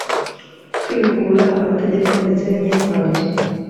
kwihugura amategeko ndetse n imyitwarire